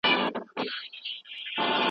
دا ليکنه د زده کړې لپاره چمتو شوې ده.